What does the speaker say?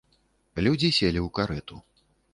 Людзі селі ў карэту.